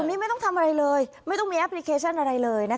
นี่ไม่ต้องทำอะไรเลยไม่ต้องมีแอปพลิเคชันอะไรเลยนะคะ